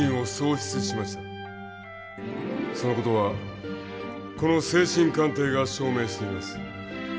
その事はこの精神鑑定が証明しています。